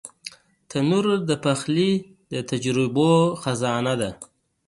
تنور د پخلي د تجربو خزانه ده